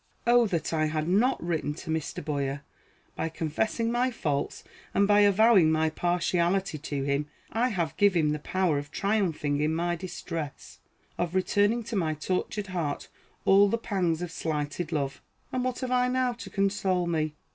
O that I had not written to Mr. Boyer! By confessing my faults, and by avowing my partiality to him, I have given him the power of triumphing in my distress; of returning to my tortured heart all the pangs of slighted love. And what have I now to console me?